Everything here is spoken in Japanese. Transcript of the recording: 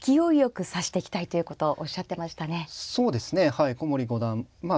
はい古森五段まあ